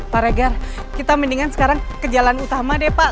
pak regar kita mendingan sekarang ke jalan utama deh pak